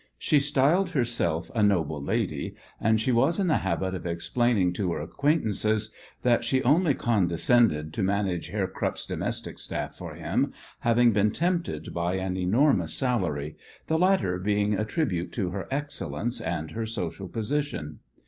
She styled herself "a noble lady," and she was in the habit of explaining to her acquaintances that she only "condescended" to manage Herr Krupp's domestic staff for him, having been tempted by an enormous salary, the latter being a tribute to her excellence and her social position.